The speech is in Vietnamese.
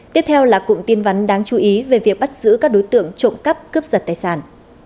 tiếp theo là cụm tin vắn đáng chú ý về việc bắt giữ các đối tượng trộm cắp cướp giật tài sản